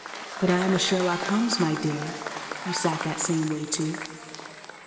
But I'm a Sherlock Holmes, my dear you sat that same way, too.